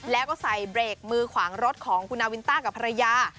แล้วก็ใส่เบรกมือขวางรถของคุณนาวินต้ากับภรรยา